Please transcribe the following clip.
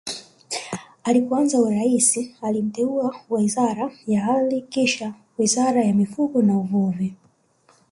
Alipoanza urais alimteua Wizara ya Ardhi kisha Wizara ya Mifugo na Uvuvi